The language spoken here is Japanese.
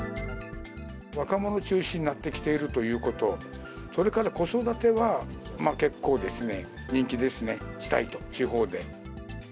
若者中心になってきているということ、それから子育ては結構ですね、人気ですね、したいと、地方で。